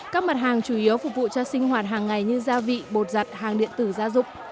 các mặt hàng chủ yếu phục vụ cho sinh hoạt hàng ngày như gia vị bột giặt hàng điện tử gia dụng